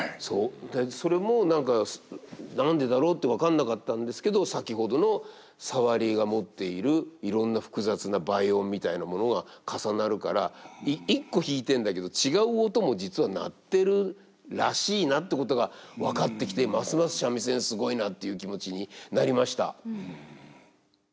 それも何か何でだろうって分かんなかったんですけど先ほどのサワリが持っているいろんな複雑な倍音みたいなものが重なるから一個弾いてんだけど違う音も実は鳴ってるらしいなってことが分かってきてますます三味線すごいなっていう気持ちになりました。